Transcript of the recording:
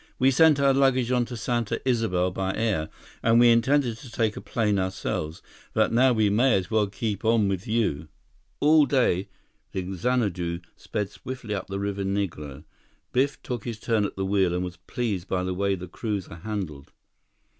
We sent our luggage on to Santa Isabel by air, and we intended to take a plane ourselves. But now we may as well keep on with you." All that day, the Xanadu sped swiftly up the Rio Negro. Biff took his turn at the wheel and was pleased by the way the cruiser handled.